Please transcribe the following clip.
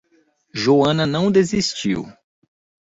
Joana não desistiu.